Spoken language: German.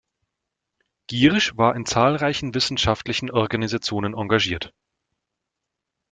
Giersch war in zahlreichen wissenschaftlichen Organisationen engagiert.